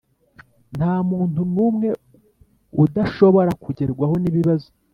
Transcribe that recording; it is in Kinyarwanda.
Nta muntu n’umwe udashobora kugerwaho n’ibibazo